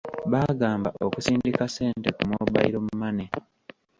Baagamba okusindika ssente ku mobayiro mmane.